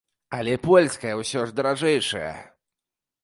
Але польская ўсё ж даражэйшая.